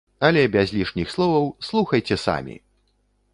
Але без лішніх словаў, слухайце самі!